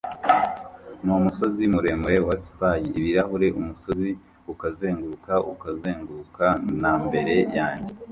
n'umusozi muremure wa Spy-ibirahuri umusozi, ukazenguruka ukazenguruka na topsy-turvy mbere yanjye